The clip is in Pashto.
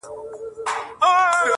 زموږ څه ژوند واخله؛